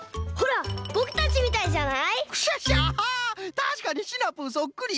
たしかにシナプーそっくり！